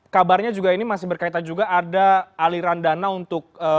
kabarnya juga ini masih berkaitan juga ada aliran dana untuk